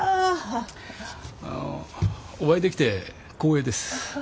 お会いできて光栄です。